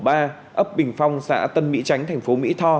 ấp bình phong xã tân mỹ chánh thành phố mỹ tho